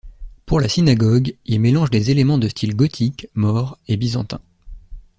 Pour la synagogue, Il mélange des éléments de style gothique, maure et byzantin.